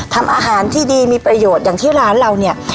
ทำอาหารที่ดีมีประโยชน์อย่างที่ร้านเราเนี่ย